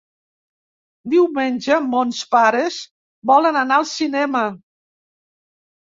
Diumenge mons pares volen anar al cinema.